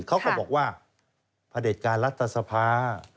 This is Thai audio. เขาก็บอกว่าพระเด็จการรัฐสภา